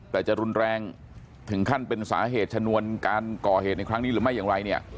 แต่จะรุนแรงถึงขั้นเป็นสาเหตุชนวนการก่อเหตุในครั้งนี้หรือไม่อย่างไรเนี่ย